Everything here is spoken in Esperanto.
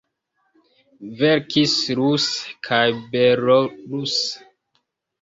Verkis ruse kaj beloruse.